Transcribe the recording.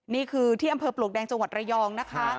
นี่คือที่อำเภอปลวกแดงจังหวัดระยองนะคะ